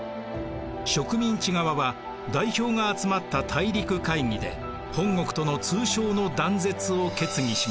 植民地側は代表が集まった大陸会議で本国との通商の断絶を決議します。